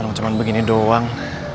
orang cuma begini doang